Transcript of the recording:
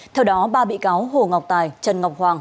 theo đó ba bị cáo hồ ngọc tài trần ngọc hoàng